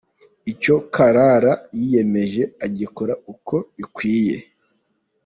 Icyo Karara yiyemeje agikora uko bikwiye.